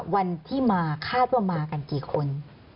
วันที่มาคาดว่ามากันกี่คน